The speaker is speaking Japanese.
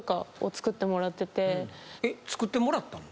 作ってもらったの？